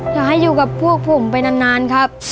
อยากให้อยู่กับพวกผมไปนานครับ